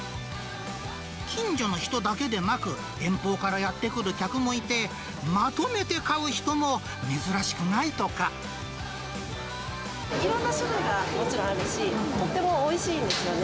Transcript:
近所の人だけでなく、遠方からやって来る客もいて、いろんな種類がもちろんあるし、とってもおいしいんですよね。